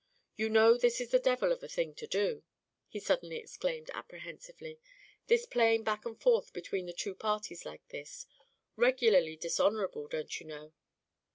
You know this is the devil of a thing to do," he suddenly exclaimed apprehensively, "this playing back and forth between the two parties like this; regularly dishonourable, don't you know?"